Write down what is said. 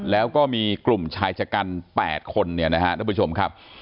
แล้วก็มีกลุ่มชายจัดการแปดคนนะครับ